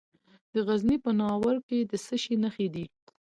د غزني په ناور کې د څه شي نښې دي؟